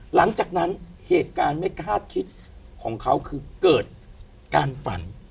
หลังจากนั้นเหตุการณ์ไม่คาดคิดของเขาคือเกิดการฝัน